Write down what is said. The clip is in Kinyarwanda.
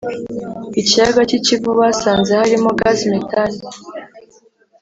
Ikiyaga cy’ i Kivu basanze harimo gaze metane